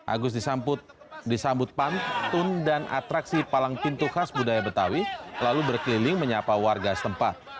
agus disambut pantun dan atraksi palang pintu khas budaya betawi lalu berkeliling menyapa warga setempat